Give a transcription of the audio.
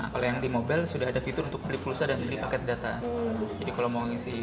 kalau yang di mobile sudah ada fitur untuk beli pulsa dan beli paket data jadi kalau mau ngisi